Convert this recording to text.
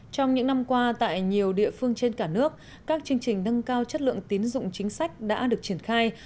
trong những năm qua tại nhiều địa phương trên cả nước các chương trình nâng cao chất lượng tín dụng chính sách đã được triển khai